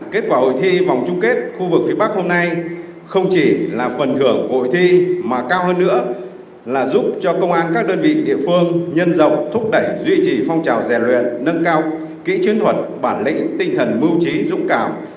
kết quả hội thi vòng chung kết khu vực phía bắc hôm nay không chỉ là phần thưởng của hội thi mà cao hơn nữa là giúp cho công an các đơn vị địa phương nhân rộng thúc đẩy duy trì phong trào rèn luyện nâng cao kỹ chiến thuật bản lĩnh tinh thần mưu trí dũng cảm